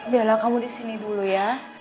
bella kamu disini dulu ya